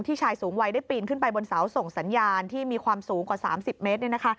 ชายสูงวัยได้ปีนขึ้นไปบนเสาส่งสัญญาณที่มีความสูงกว่า๓๐เมตร